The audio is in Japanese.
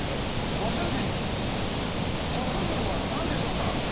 ご主人、職業は何でしょうか？